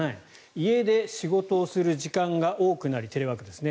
家で仕事をする時間が多くなりテレワークですね